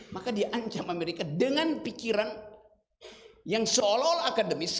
maka diancam amerika dengan pikiran yang seolah olah akademis